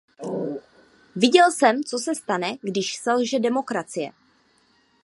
Viděl jsem, co se stane, když selže demokracie.